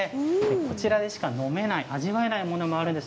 こちらでしか飲めない味わえないものがあります。